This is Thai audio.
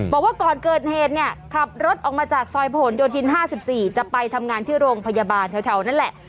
บอกว่าก่อนเกิดเหตุเนี่ยขับรถออกมาจากซอยผลโยธิน๕๔จะไปทำงานที่โรงพยาบาลแถวนั่นแหละ